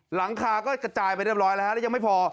หลังคาก็กระจายไปเรียบร้อยแล้วฮะแล้วยังไม่พอ